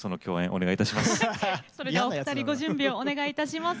お二人ご準備をお願いいたします。